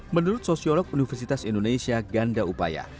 menurut sosiolog universitas indonesia ganda upaya